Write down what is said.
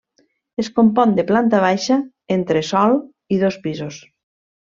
Es compon de planta baixa, entresòl i dos pisos.